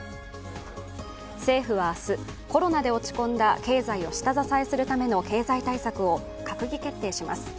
政府は明日、コロナで落ち込んだ経済を下支えするための経済対策を閣議決定します。